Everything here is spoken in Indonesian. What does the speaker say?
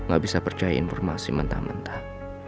gak bisa percaya informasi mentah mentah